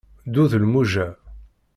Ddu d lmuja!